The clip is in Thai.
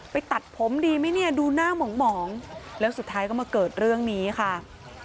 ตัดผมดีไหมเนี่ยดูหน้าหมองแล้วสุดท้ายก็มาเกิดเรื่องนี้ค่ะ